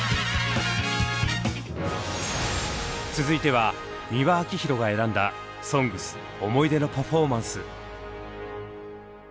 続いては美輪明宏が選んだ「ＳＯＮＧＳ」思い出のパフォーマンス。